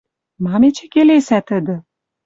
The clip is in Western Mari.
Мам эче келесӓ тӹдӹ?